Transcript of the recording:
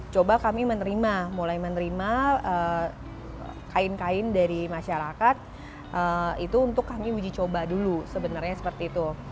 coba kami menerima mulai menerima kain kain dari masyarakat itu untuk kami uji coba dulu sebenarnya seperti itu